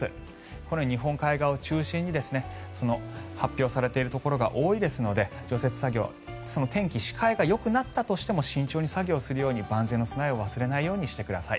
このように日本海側を中心に発表されているところが多いですので除雪作業、天気視界がよくなったとしても慎重に作業をするように万全の備えを忘れないようにしてください。